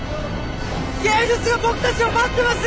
芸術が僕たちを待ってます！